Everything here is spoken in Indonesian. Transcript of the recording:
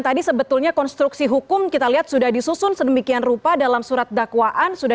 tadi sebetulnya konstruksi hukum kita lihat sudah disusun sedemikian rupa dalam surat dakwaan